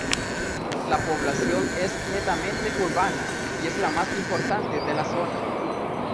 La población es netamente urbana y es la más importante de la zona.